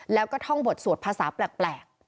แล้วก็ท่องบทสวดภาษาแปลก